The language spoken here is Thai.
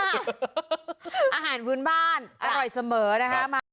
อาหารพื้นบ้านอร่อยเสมอนะคะ